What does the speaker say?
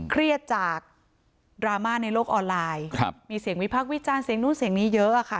เครียดจากดราม่าในโลกออนไลน์มีเสียงวิพักษ์วิจารณ์เสียงนู้นเสียงนี้เยอะอะค่ะ